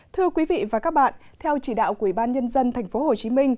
thưa quý vị và các bạn theo chỉ đạo của ủy ban nhân dân tp hcm